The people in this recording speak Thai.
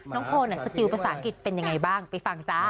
โพลสกิลภาษาอังกฤษเป็นยังไงบ้างไปฟังจ้า